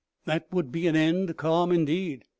That would be an end calm indeed.